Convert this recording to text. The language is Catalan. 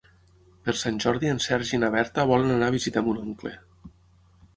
Per Sant Jordi en Sergi i na Berta volen anar a visitar mon oncle.